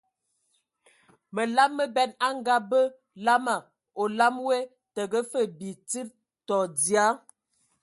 Məlam məben a ngabə lamaŋ, olam woe təgə fəg bi tsid tɔ dzia.